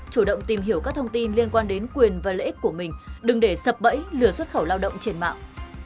chủ động tìm hiểu các thông tin liên quan đến quyền và lợi ích của mình đừng để sập bẫy lừa xuất khẩu lao động trên mạng